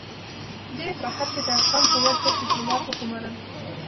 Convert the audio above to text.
بيا يې په بهر کې د افغان هويت ضد ډيپلومات وگمارل.